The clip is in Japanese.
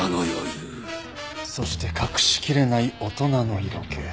そして隠しきれない大人の色気。